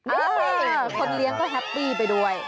เออคนเลี้ยงก็แฮปปี้ไปด้วย